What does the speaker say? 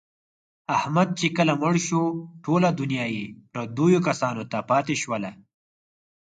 احمد چې کله مړ شو، ټوله دنیا یې پردیو کسانو ته پاتې شوله.